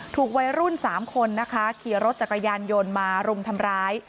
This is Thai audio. ถูกวัยรุ่น๓คนนะคะขี่รถจักรยานยนต์มารุมทำร้าย